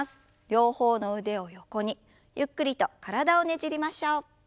両方の腕を横にゆっくりと体をねじりましょう。